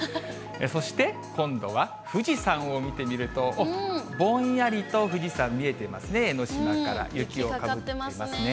そして、今度は富士山を見てみると、ぼんやりと富士山、見えてますね、江の島から、雪をかぶってますね。